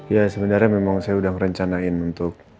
ya sebenarnya memang saya udah ngerencanain untuk